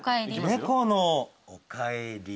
『猫のおかえり』